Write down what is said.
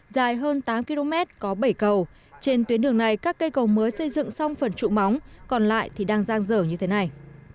dài hơn tám km có bảy cầu trên tuyến đường này các cây cầu mới xây dựng xong phần trụ móng còn lại thì đang giang dở như thế này